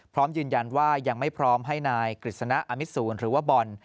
พร้อมยืนยันว่ายังไม่พร้อมให้นายกฤษณะอมิตศูนย์หรือว่าบอล